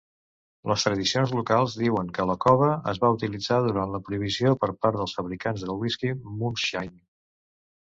Les tradicions locals diuen que la cova es va utilitzar durant la prohibició per part dels fabricants del whisky moonshine.